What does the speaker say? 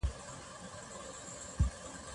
د جرګو پریکړي ټولو ته د منلو وې.